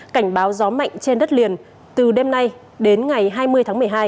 cảnh báo gió mạnh trên đất liền từ đêm nay đến ngày hai mươi tháng một mươi hai